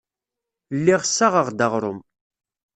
Lliɣ ssaɣeɣ-d aɣrum.